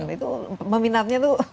itu meminatnya tuh